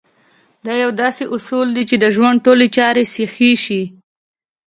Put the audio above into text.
دا يو داسې اصول دی چې ژوند ټولې چارې سيخې شي.